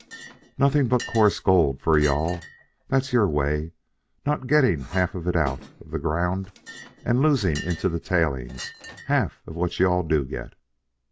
Nothing but coarse gold for you all, that's your way, not getting half of it out of the ground and losing into the tailings half of what you all do get.